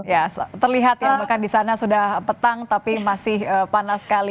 ya terlihat ya makan di sana sudah petang tapi masih panas sekali